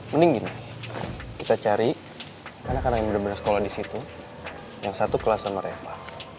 mending gini kita cari anak anak yang benar benar sekolah di situ yang satu kelas sama rema